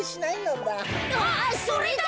あそれだ！